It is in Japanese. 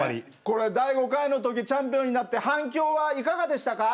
これ第５回の時チャンピオンになって反響はいかがでしたか？